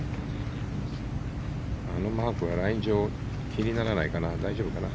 あのマークはライン上、気にならないかな？